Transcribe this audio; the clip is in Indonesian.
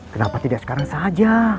kenapa tidak sekarang saja